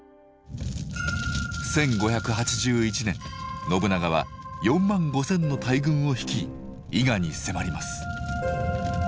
１５８１年信長は４万５，０００の大軍を率い伊賀に迫ります。